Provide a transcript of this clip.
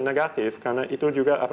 negatif karena itu juga